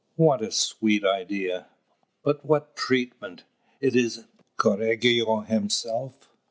What a sweet idea! But what treatment! It is Correggio himself.